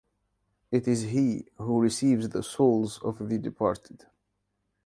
It is he who receives the souls of the departed.